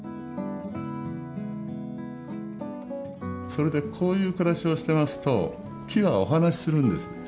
それでこういう暮らしをしてますと木がお話しするんです。